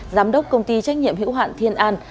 giám đốc công ty trách nhiệm hữu hạn thiên an